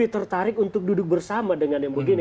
tertarik untuk duduk bersama dengan yang begini